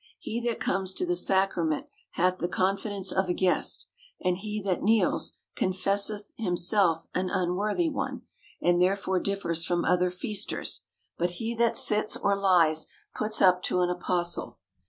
He that comes to the sacrament hath the confidence of a guest; and he that kneels, con fesseth himself an unworthy one, and therefore differs from other feasters ; but he that sits, or lies, puts up to an apostle.